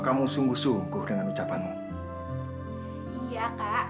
sampai jumpa di video selanjutnya